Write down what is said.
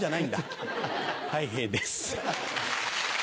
たい平です。